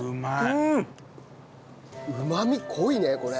うまみ濃いねこれ。